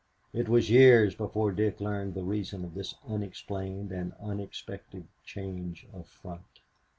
It was years before Dick learned the reason of this unexplained and unexpected change of front.